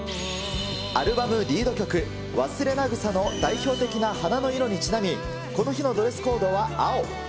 アルバムリード曲、勿忘草の代表的な花の色にちなみ、この日のドレスコードは青。